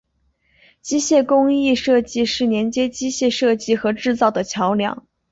机械工艺设计是连接机械设计和制造的桥梁。